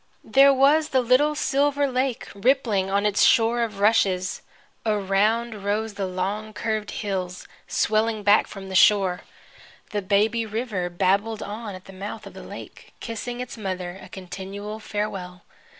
There was the little silver lake, rippling on its shore of rushes. Around rose the long curved hills, swelling back from the shore. The baby river babbled on at the mouth of the lake, kissing its mother a continual farewell.